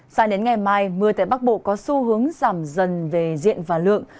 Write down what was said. sao đến ngày mai mưa tại bắc bộ có xu hướng giảm dần về diện và lượng